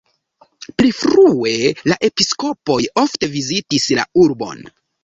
Pli frue la episkopoj ofte vizitis la urbon.